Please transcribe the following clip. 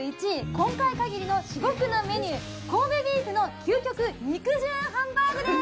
今回限りの至極のメニュー神戸ビーフの究極肉汁ハンバーグです！